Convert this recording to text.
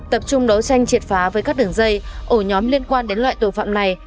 tập trung đấu tranh triệt phá với các đường dây ổ nhóm liên quan đến loại tội phạm này